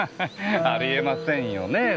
あり得ませんよねぇ？